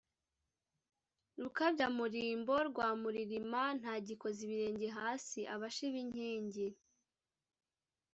Rukabyamurimbo rwa Muririma ntagikoza ibirenge hasi.-Abashi b'inkingi.